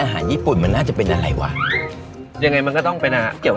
จริงเราเข้าทางนี้ก็ได้เนอะชัย